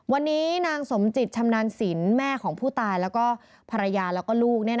วันนี้นางสมจิตชำนาญสินแม่ของผู้ตายแล้วก็ภรรยาแล้วก็ลูก